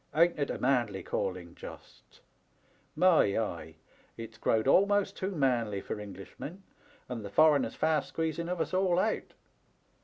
Ain't it a manly calling, just ! My eye ! It*s growed almost too manly for Englishmen, and the foreigner's fast squeezing of us all out.